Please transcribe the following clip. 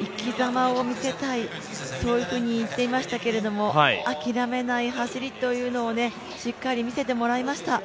生きざまを見せたい、そういうふうに言っていましたけれども諦めない走りというのをしっかり見せてもらいました。